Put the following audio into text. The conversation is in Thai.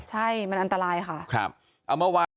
ใช่มันอันตรายค่ะครับ